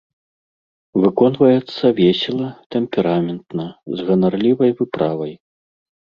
Выконваецца весела, тэмпераментна, з ганарлівай выправай.